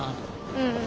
うん。